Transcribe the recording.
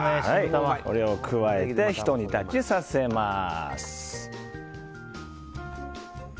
これを加えてひと煮立ちさせます。